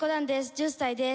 １０歳です。